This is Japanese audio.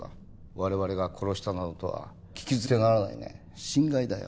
我々が殺したなどとは聞き捨てならないね心外だよ